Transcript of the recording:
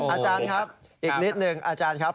อาจารย์ครับอีกนิดหนึ่งอาจารย์ครับ